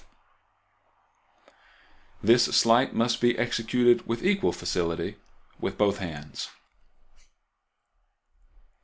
This sleight must be executed with equal facility with both hands.